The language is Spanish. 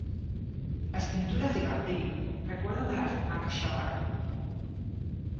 Las pinturas de Gavril recuerdan a las de Marc Chagall.